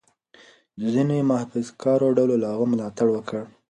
ځینو محافظه کارو ډلو له هغه ملاتړ وکړ.